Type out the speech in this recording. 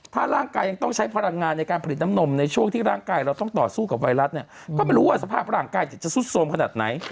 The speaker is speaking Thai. ถ้าร่างกายยังต้องใช้พลังงานในการผลิตน้ำนมในช่วงที่ร่างกายเราต้องต่อสู้กับไวรัสเนี่ยก็ไม่รู้ว่าสภาพร่างกายจะสุดโทรมขนาดไหน